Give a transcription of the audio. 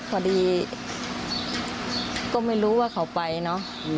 พอดีก็ไม่รู้ว่าเขาไปเนอะ